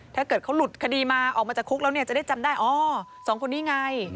ถ้าเกิดเขาหลุดคดีมาออกมาจากคุกแล้วเนี่ยจะได้จำได้อ๋อสองคนนี้ไง